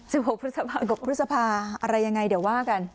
หกพฤษภาหกพฤษภาอะไรยังไงเดี๋ยวว่ากัน